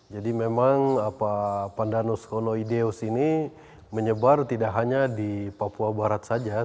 jadi memang pandanus konodeus ini menyebar tidak hanya di papua barat saja